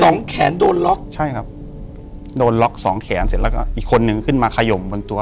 แขนโดนล็อกใช่ครับโดนล็อกสองแขนเสร็จแล้วก็อีกคนนึงขึ้นมาขยมบนตัว